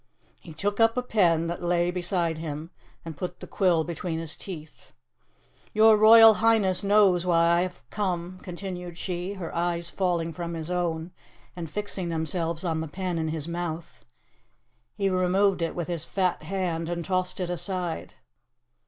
He took up a pen that lay beside him, and put the quill between his teeth. "Your Royal Highness knows why I have come," continued she, her eyes falling from his own and fixing themselves on the pen in his mouth. He removed it with his fat hand, and tossed it aside.